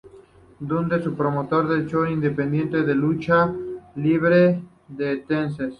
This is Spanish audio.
Dundee es promotor de shows independientes de lucha libre en Tennesse.